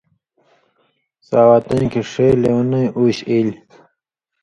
ساواتَیں کھیں ݜے لېونئ اُوش ایلیۡ